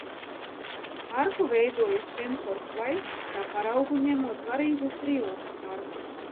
Arku veidoja Stenfords Vaits, kā paraugu ņemot Parīzes Triumfa arku.